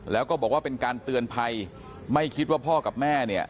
แล้วก็บอกว่าเป็นการเตือนภัยไม่คิดว่าพ่อกับแม่เนี่ย